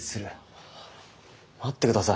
待ってください。